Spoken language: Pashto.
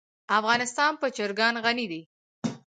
افغانستان په چرګان غني دی.